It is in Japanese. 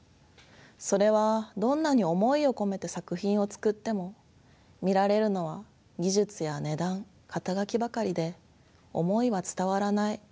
それは「どんなに思いを込めて作品を作っても見られるのは技術や値段肩書ばかりで思いは伝わらない」